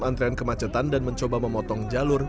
antrean kemacetan dan mencoba memotong jalur